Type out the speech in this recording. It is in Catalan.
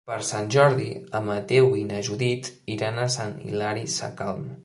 Per Sant Jordi en Mateu i na Judit iran a Sant Hilari Sacalm.